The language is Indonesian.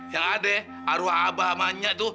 yang ada arwah abah sama nyak tuh